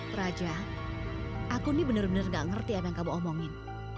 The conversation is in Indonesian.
praja aku nih benar benar gak ngerti apa yang kamu omongin